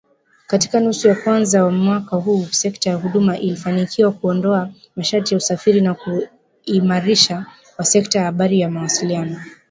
Katika nusu ya kwanza ya mwaka huu, sekta ya huduma ilifanikiwa kuondoa masharti ya usafiri na kuimarishwa kwa sekta ya habari na mawasiliano